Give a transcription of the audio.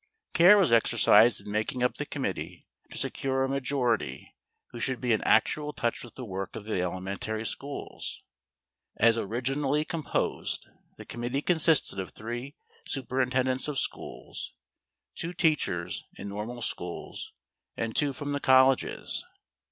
Care was exercised in making up the committee to secure a majority who should be in actual touch with the work of the elementary schools. As originally composed, the committee consisted of three superintendents of schools, two teachers in normal schools, and two from the colleges.